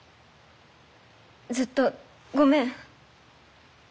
ずっとごめん。